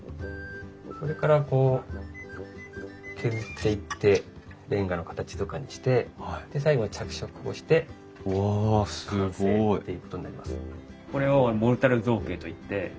それからこう削っていってレンガの形とかにしてで最後に着色をして完成っていうことになります。